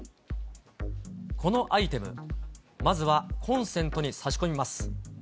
このアイテム、まずはコンセントに差し込みます。